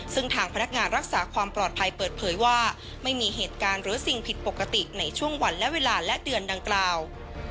ซึ่งทางพนักงานรักษาความปลอดภัยเปิดเผยว่าไม่มีเหตุการณ์หรือสิ่งผิดปกติในช่วงวันและเวลาและเดือนดังกล่าว